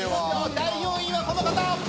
第４位はこの方！